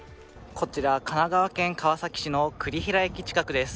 こちら神奈川県川崎市の栗平駅近くです。